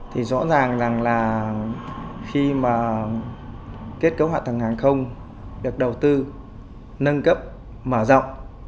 thì rõ ràng rằng là khi mà kết cấu hạ tầng hàng không được đầu tư nâng cấp mở rộng